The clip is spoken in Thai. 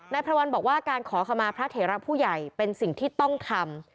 พระวันบอกว่าการขอขมาพระเถระผู้ใหญ่เป็นสิ่งที่ต้องทำ